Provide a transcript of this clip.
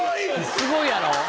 すごいやろ？